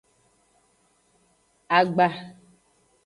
Agba.